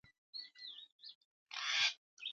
د لیمو ګل د څه لپاره وکاروم؟